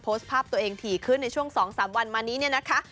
โพสต์ภาพตัวเองถี่ขึ้นในช่วง๒๓วันมานี้เนี่ยนะคะ